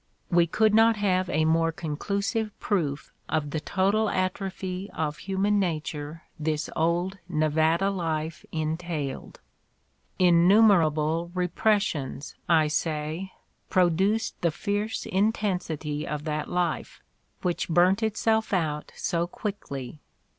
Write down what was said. We could not have a more conclusive proof of the total atrophy of human nature this old Nevada life entailed. Innumerable repressions,' I say, produced the fierce intensity of that life, which burnt itself out so quickly.